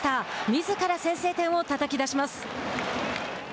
みずから先制点をたたきだします。